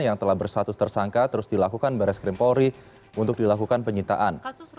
yang telah bersatus tersangka terus dilakukan baris krim polri untuk dilakukan penyitaan